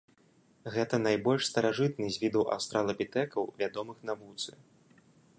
Гэта найбольш старажытны з відаў аўстралапітэкаў, вядомых навуцы.